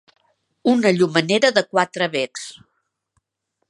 Una llumenera de quatre becs.